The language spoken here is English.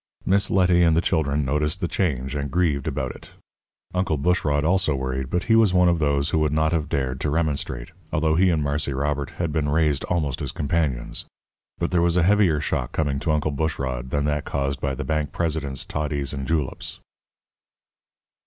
Miss Letty and the children noticed the change and grieved about it. Uncle Bushrod also worried, but he was one of those who would not have dared to remonstrate, although he and Marse Robert had been raised almost as companions. But there was a heavier shock coming to Uncle Bushrod than that caused by the bank president's toddies and juleps.